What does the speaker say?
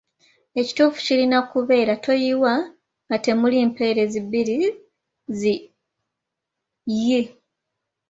Ekituufu kirina kubeera ‘toyiwa’ nga temuli mpeerezi bbiri zi 'i'.